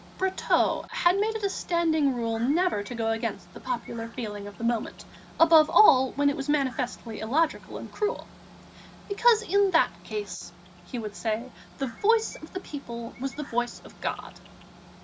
Brotteaux had made it a standing rule never to go against the popular feeling of the moment, above all when it was manifestly illogical and cruel, "because in that case," he would say, "the voice of the people was the voice of God."